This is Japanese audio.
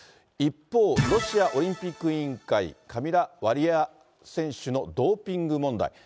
一方、ロシアオリンピック委員会、カミラ・ワリエワ選手のドーピング問題。